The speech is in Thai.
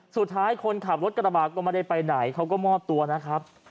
คนขับรถกระบะก็ไม่ได้ไปไหนเขาก็มอบตัวนะครับ